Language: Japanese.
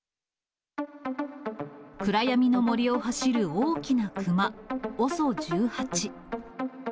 暗闇の森を走る大きなクマ、ＯＳＯ１８。